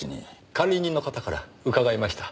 管理人の方から伺いました。